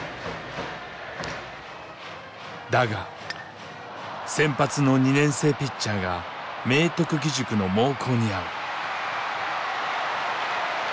だが先発の２年生ピッチャーが明徳義塾の猛攻にあう。